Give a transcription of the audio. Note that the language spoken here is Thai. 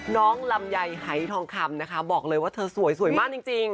น้องลำไยไฮทองคำนะคะบอกเลยว่าเธอสวยมากจริง